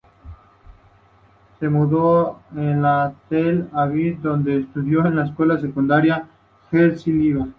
Se mudó a Tel Aviv, donde estudió en la escuela secundaria de Herzliya.